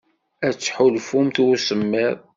Ad tḥulfumt i usemmiḍ.